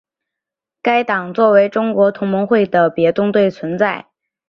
该党作为中国同盟会的别动队存在。